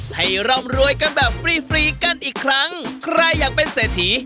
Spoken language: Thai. ร่ำรวยกันแบบฟรีฟรีกันอีกครั้งใครอยากเป็นเศรษฐี